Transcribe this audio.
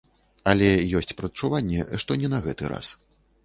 Але ёсць прадчуванне, што не на гэты раз.